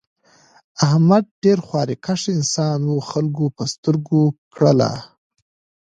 احمد ډېر خواریکښ انسان و خلکو په سترگو کړلا.